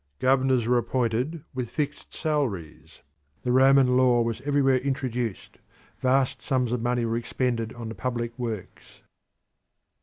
Governors were appointed with fixed salaries; the Roman law was everywhere introduced; vast sums of money were expended on the public works.